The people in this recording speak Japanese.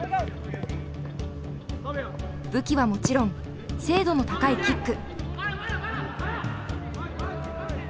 武器はもちろん精度の高いキック。